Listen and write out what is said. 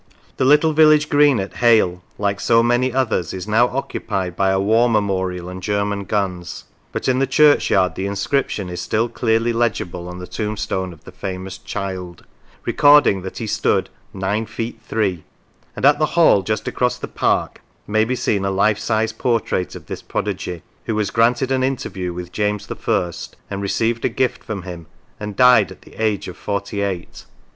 The little village green at Hale, like so many others, is now occupied by a war memorial and German guns; but in the churchyard the inscrip tion is still clearly legible on the tombstone of the famous " childe," recording that he stood " nine feet three"; and at the Hall just across the Park may be seen a life size portrait of this prodigy, who was granted an interview with James I. and received a "gift from him, and died at the age of forty eight.